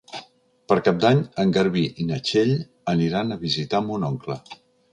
Per Cap d'Any en Garbí i na Txell aniran a visitar mon oncle.